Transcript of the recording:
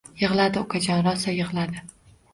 Yig’ladi, ukajon… Rosa yig’ladi